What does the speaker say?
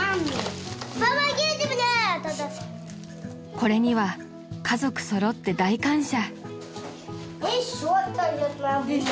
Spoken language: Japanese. ［これには家族揃って大感謝］